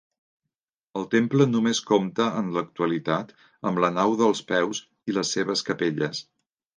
El temple només compta en l'actualitat amb la nau dels peus i les seves capelles.